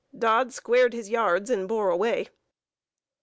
Dodd squared his yards and bore away.